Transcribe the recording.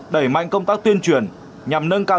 đẩy mạnh công tác tuyên truyền nhằm nâng cao